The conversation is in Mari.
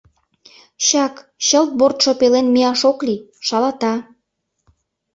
Чак, чылт бортшо пелен мияш ок лий — шалата.